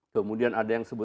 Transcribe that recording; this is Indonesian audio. kemudian ada yang sebut